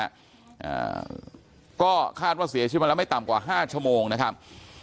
อ่าก็คาดว่าเสียชีวิตมาแล้วไม่ต่ำกว่าห้าชั่วโมงนะครับ